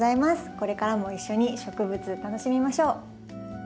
これからも一緒に植物楽しみましょう。